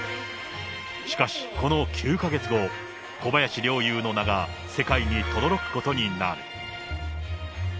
しかし、この９か月後、小林陵侑の名が世界にとどろくことになる。